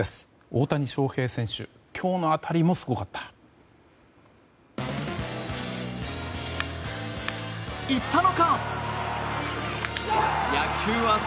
大谷翔平選手、今日の当たりもすごかった。